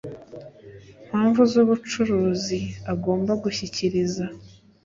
mpamvu z ubucuruzi agomba gushyikiriza